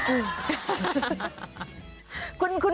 อืม